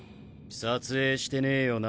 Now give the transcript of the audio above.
撮影してねえよな。